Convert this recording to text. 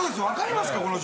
分かりますか？